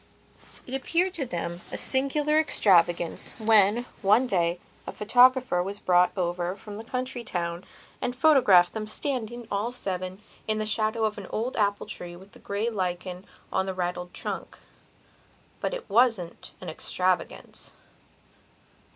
It appeared to them a singular extravagance when, one day, a photographer was brought over from the county town and photographed them standing, all seven, in the shadow of an old apple tree with the grey lichen on the raddled trunk. But it wasn't an extravagance.